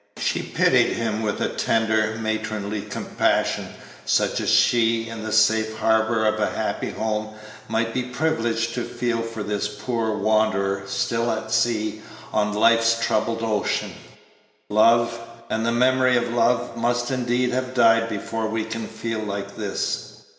She pitied him with a tender, matronly compassion, such as she, in the safe harbor of a happy home, might be privileged to feel for this poor wanderer still at sea on life's troubled ocean. Love, and the memory of love, must indeed have died before we can feel like this.